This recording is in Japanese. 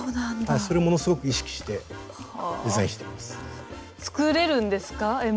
それをものすごく意識してデザインしています。